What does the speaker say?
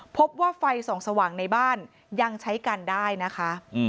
พบว่าไฟส่องสว่างในบ้านยังใช้กันได้นะคะ